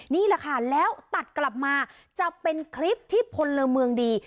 นี่แหละค่ะแล้วตัดกลับมาจะเป็นคลิปที่พลเมืองดี